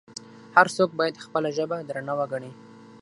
هر څوک باید خپله ژبه درنه وګڼي.